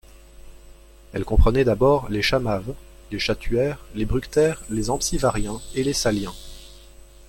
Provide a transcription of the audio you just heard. Elle comprenait d'abord les Chamaves, les Chattuaires, les Bructères, les Ampsivariens et les Saliens.